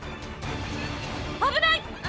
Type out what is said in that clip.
「危ない！」